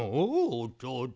おとうと。